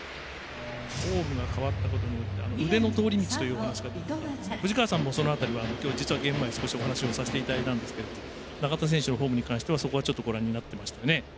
フォームが変わったことによって腕の通り道というお話がありましたが藤川さんも、その辺りはゲーム前、お話をさせていただいたんですが中田選手のフォームをご覧になっていましたね。